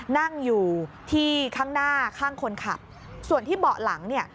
นั่งอยู่ที่ข้างหน้าข้างคนขับส่วนที่เบาะหลังเนี่ย